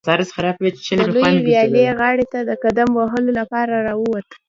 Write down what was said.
د لویې ویالې غاړې ته د قدم وهلو لپاره راووت.